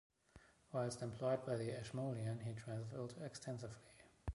Whilst employed by the Ashmolean he travelled extensively.